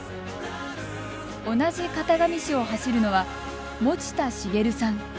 同じ潟上市を走るのは餅田茂さん。